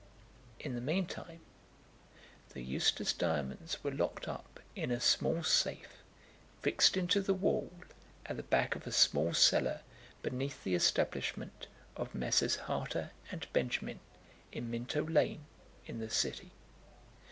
In the meantime, the Eustace diamonds were locked up in a small safe fixed into the wall at the back of a small cellar beneath the establishment of Messrs. Harter and Benjamin, in Minto Lane, in the City.